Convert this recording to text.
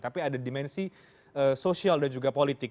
tapi ada dimensi sosial dan juga politik